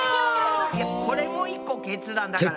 いやこれも１個決断だから。